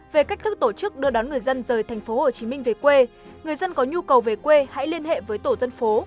về cách thức tổ chức đưa đón người dân rời tp hcm về quê người dân có nhu cầu về quê hãy liên hệ với tổ dân phố